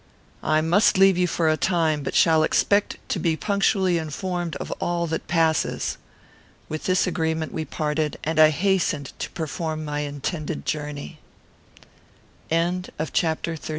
I must leave you for a time, but shall expect to be punctually informed of all that passes." With this agreement we parted, and I hastened to perform my intended journey. CHAPTER XXXIX.